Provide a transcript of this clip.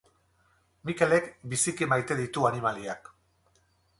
Mikelek biziki maite ditu animaliak